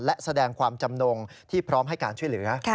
และแสดงความจำนงที่พร้อมให้การช่วยเหลือ